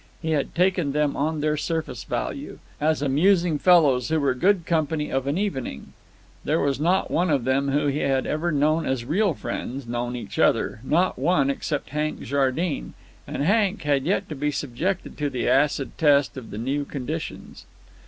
He had taken them on their surface value, as amusing fellows who were good company of an evening. There was not one of them whom he had ever known as real friends know each other—not one, except Hank Jardine; and Hank had yet to be subjected to the acid test of the new conditions.